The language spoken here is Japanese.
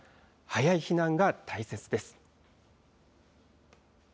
早い避難が大切です。